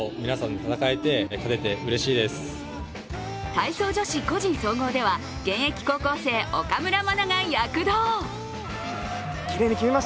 体操・女子個人総合では現役高校生、岡村真が躍動。